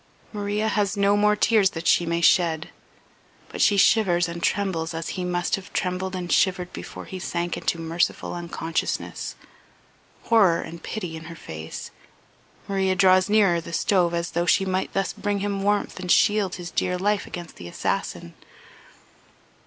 Maria has no more tears that she may shed, but she shivers and trembles as he must have trembled and shivered before he sank into merciful unconsciousness; horror and pity in her face, Maria draws nearer the stove as though she might thus bring him warmth and shield his dear life against the assassin.